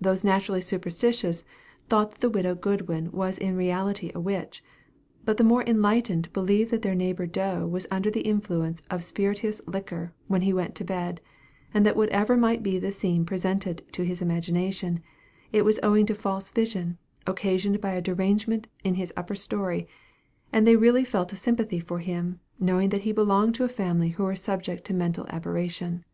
Those naturally superstitious thought that the widow Goodwin was in reality a witch; but the more enlightened believed that their neighbor Doe was under the influence of spirituous liquor when he went to bed; and that whatever might be the scene presented to his imagination, it was owing to false vision, occasioned by derangement in his upper story; and they really felt a sympathy for him, knowing that he belonged to a family who were subject to mental aberration.